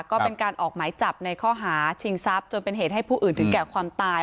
ก็เป็นการออกหมายจับในข้อหาชิงทรัพย์จนเป็นเหตุให้ผู้อื่นถึงแก่ความตาย